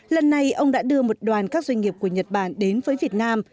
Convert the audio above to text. lần này ông đã đưa một đoàn các doanh nghiệp của nhật bản đến với việt nam